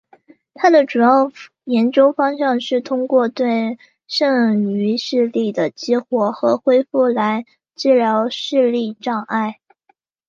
他的主要研究方向是通过对剩余视力的激活和恢复来治疗视力障碍。